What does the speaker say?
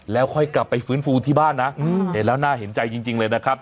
แล้วค่อยกลับไปฟื้นฟูที่บ้านนะเห็นแล้วน่าเห็นใจจริงเลยนะครับ